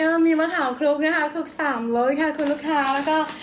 มีก้วยสดใต้มะขามตอนนี้กำลังจะหมดแล้ว